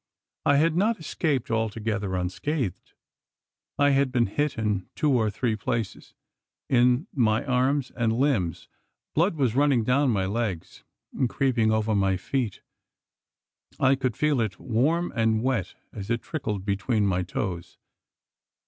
I had not escaped altogether unscathed: I had been hit in two or three places in my arms and limbs. Blood was running down my legs, and creeping over my feet. I could feel it warm and wet, as it trickled between my toes.